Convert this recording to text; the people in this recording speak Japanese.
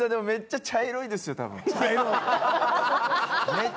めっちゃ茶色い弁当。